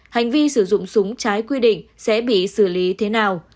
hành vi sử dụng súng trái quy định sẽ bị xử lý thế nào